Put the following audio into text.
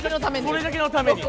それだけのために。